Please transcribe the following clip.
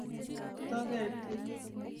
Chan kapchi che pakaktakee en Kenya